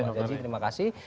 pak jadji terima kasih